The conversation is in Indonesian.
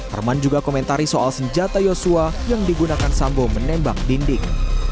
arman juga komentari soal senjata yosua yang digunakan sambo menembak dinding